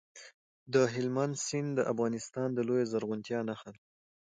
هلمند سیند د افغانستان د لویې زرغونتیا نښه ده.